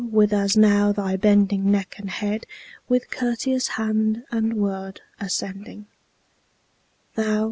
with as now thy bending neck and head, with courteous hand and word, ascending, Thou!